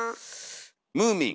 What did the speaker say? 「ムーミン」。